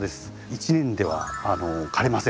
１年では枯れません。